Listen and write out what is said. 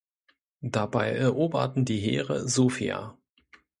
Dabei eroberten die Heere Sofia.